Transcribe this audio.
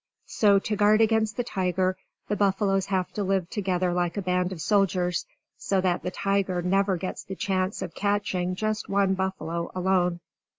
So, to guard against the tiger, the buffaloes have to live together like a band of soldiers, so that the tiger never gets the chance of catching just one buffalo alone.